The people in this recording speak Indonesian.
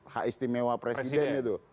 hak istimewa presiden itu